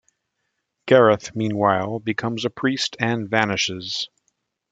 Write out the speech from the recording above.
Gareth, meanwhile, becomes a priest and vanishes.